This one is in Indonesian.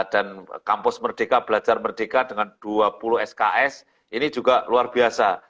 dan kampus merdeka belajar merdeka dengan dua puluh sks ini juga luar biasa